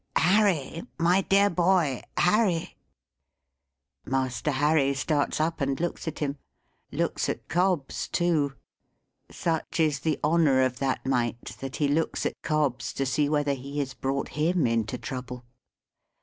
"Harry, my dear boy! Harry!" Master Harry starts up and looks at him. Looks at Cobbs too. Such is the honour of that mite, that he looks at Cobbs, to see whether he has brought him into trouble.